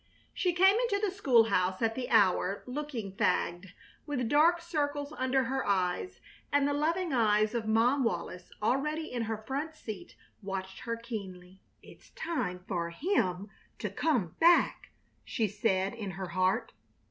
She came into the school house at the hour, looking fagged, with dark circles under her eyes; and the loving eyes of Mom Wallis already in her front seat watched her keenly. "It's time for him to come back," she said, in her heart.